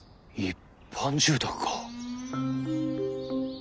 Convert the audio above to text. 一般住宅か。